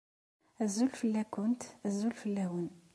Azul fell-akent, azul fell-awen!